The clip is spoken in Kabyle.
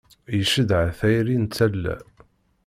Icedha tayri n tala.